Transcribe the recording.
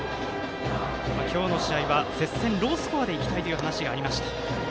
今日の試合は接戦、ロースコアでいきたいという話がありました。